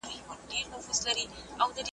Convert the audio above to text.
توبه چي زه به له میني موړ یم `